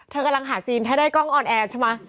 กำลังหาซีนถ้าได้กล้องออนแอร์ใช่ไหม